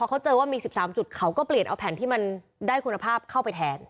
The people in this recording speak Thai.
เขาเจอว่ามี๑๓จุดเขาก็เปลี่ยนเอาแผ่นที่มันได้คุณภาพเข้าไปแทน